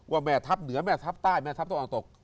ว่าแม่ทัพเหนือแม่ทัพใต้แม่ทัพต้องอ่อนตก